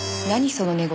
その寝言。